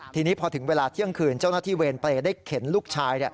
ทีนี้พอถึงเวลาเที่ยงคืนเจ้าหน้าที่เวรเปรย์ได้เข็นลูกชาย